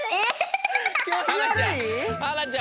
はなちゃん！